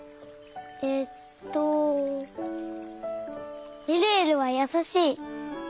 えっとえるえるはやさしい。